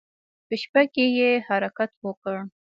په شپه کې يې حرکت وکړ.